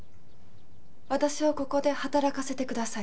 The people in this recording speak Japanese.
私をここで働かせてください。